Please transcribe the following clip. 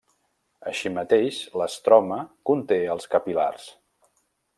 Així mateix l'estroma conté els capil·lars.